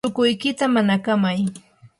chukuykita manakamay.